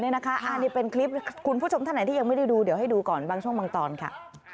นี่เป็นคลิปคุณผู้ชมท่านไหนที่ยังไม่ได้ดูเดี๋ยวให้ดูก่อนบางช่วงบางตอนค่ะ